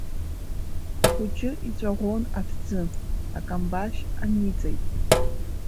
Ахәыҷы иҵәаӷәон аҭӡы, Акамбашь аниҵеит.